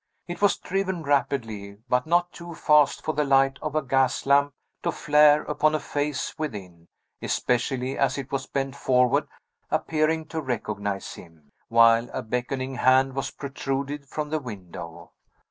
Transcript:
It was driven rapidly, but not too fast for the light of a gas lamp to flare upon a face within especially as it was bent forward, appearing to recognize him, while a beckoning hand was protruded from the window.